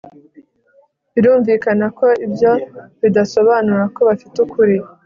Birumvikana ko ibyo bidasobanura ko bafite ukuri